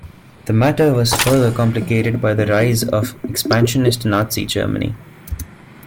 The matter was further complicated by the rise of the expansionist Nazi Germany.